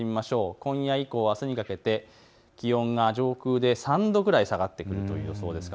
今夜以降あすにかけて気温が上空で３度ぐらい下がってくる予想です。